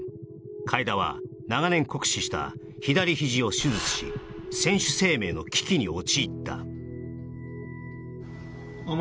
海田は長年酷使した左肘を手術し選手生命の危機に陥った・